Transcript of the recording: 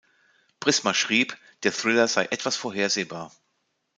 Prisma schrieb, der Thriller sei "etwas vorhersehbar".